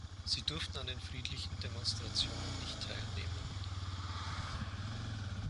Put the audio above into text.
Sie durften an den friedlichen Demonstrationen nicht teilnehmen.